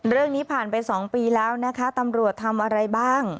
เรื่องนี้ผ่านไป๒ปีแล้วนะคะตำรวจทำอะไรบ้าง